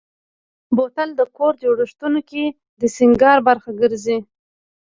بوتل د کور جوړښتونو کې د سینګار برخه ګرځي.